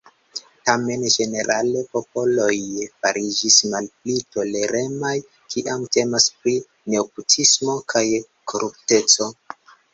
Tamen ĝenerale popoloj fariĝis malpli toleremaj, kiam temas pri nepotismo kaj korupteco.